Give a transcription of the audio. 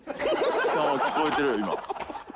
「ああ聞こえてるよ今」